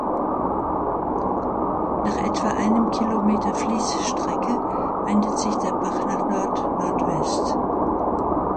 Nach etwa einem Kilometer Fließstrecke wendet sich der Bach nach Nordnordwest.